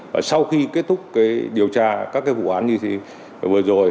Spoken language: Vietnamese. và sau khi kết thúc điều tra các vụ án như vừa rồi